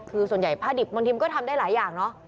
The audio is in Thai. คือส่วนใหญ่ผ้าดิบบางทีมันก็ทำได้หลายอย่างเนอะ